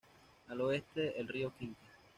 Al oeste, el río Cinca.